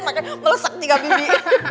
makanya meleset tiga bibi